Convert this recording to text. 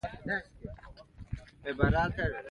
د فکر او بیان د آزادۍ دښمنانو یې لوړ ارمان ولید.